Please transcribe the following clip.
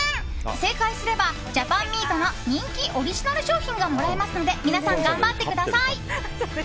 正解すればジャパンミートの人気オリジナル商品がもらえますので頑張ってください！